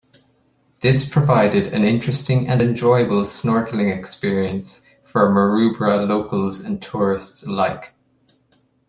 This provided an interesting and enjoyable snorkeling experience for Maroubra locals and tourists alike.